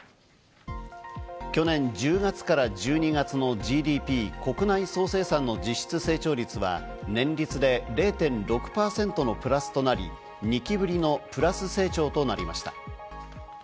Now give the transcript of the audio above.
去年１０月から１２月のＧＤＰ＝国内総生産の実質成長率は年率で０．６％のプラスとなり、２期ぶりのプラス成長となりました。